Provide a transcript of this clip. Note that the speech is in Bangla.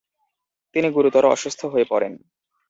তিনি গুরুতর অসুস্থ হয়ে পড়েন।